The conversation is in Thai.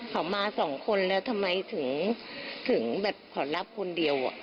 เขามาสองคนแล้วทำไมถึงแบบขอรับคนเดียว